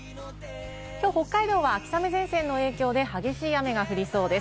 きょう、北海道は秋雨前線の影響で激しい雨が降りそうです。